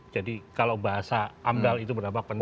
jadi kalau bahasa amdal itu berdampak penting